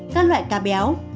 các loại cá béo